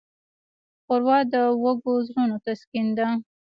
ښوروا د وږو زړونو تسکین ده.